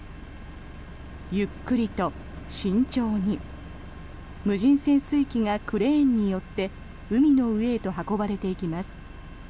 ゆっくりと、慎重に無人潜水機がクレーンによって海の上へと運ばれていきます。